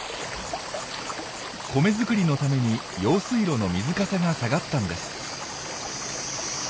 コメ作りのために用水路の水かさが下がったんです。